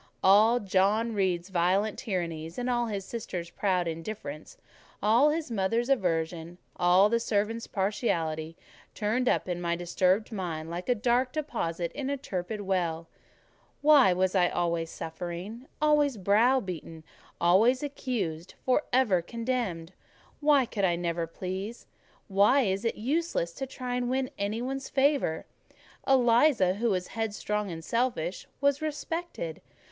All John Reed's violent tyrannies, all his sisters' proud indifference, all his mother's aversion, all the servants' partiality, turned up in my disturbed mind like a dark deposit in a turbid well. Why was I always suffering, always browbeaten, always accused, for ever condemned? Why could I never please? Why was it useless to try to win any one's favour? Eliza, who was headstrong and selfish, was respected.